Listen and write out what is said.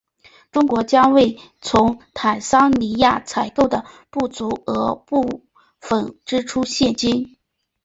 中方将为从坦桑尼亚采购的不足额部分支付现金。